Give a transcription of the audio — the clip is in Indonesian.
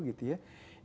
itu bisa dikontrol